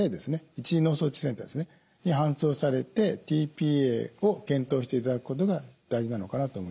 一次脳卒中センターに搬送されてｔ−ＰＡを検討していただくことが大事なのかなと思います。